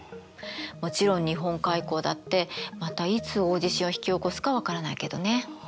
もちろん日本海溝だってまたいつ大地震を引き起こすか分からないけどね。